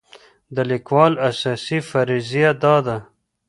د لیکوال اساسي فرضیه دا ده.